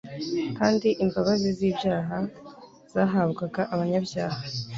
kandi imbabazi z'ibyaha zahabwaga abanyabyaha